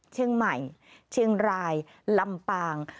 เชียงใหม่เชียงรายลำปาง